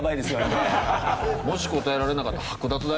もし答えられなかったら剥奪だよ。